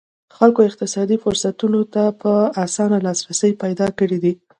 خلکو اقتصادي فرصتونو ته په اسانه لاسرسی پیدا کړی دی.